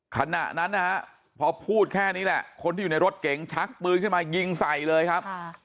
ขณะนั้นนะฮะพอพูดแค่นี้แหละคนที่อยู่ในรถเก๋งชักปืนขึ้นมายิงใส่เลยครับ